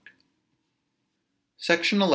SECTION XI.